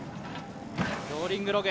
ローリングログ